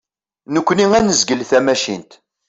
Nekni ad nezgel tamacint.